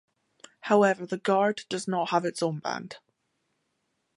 However, the Guard does not have its own band.